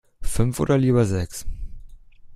Fünf oder lieber sechs?